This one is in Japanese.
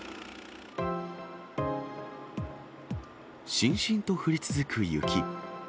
しんしんと降り続く雪。